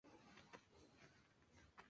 Las alas posteriores parece ala rota.